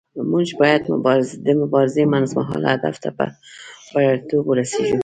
موږ باید د مبارزې منځمهاله هدف ته په بریالیتوب ورسیږو.